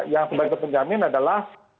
yang sebagai penjamin adalah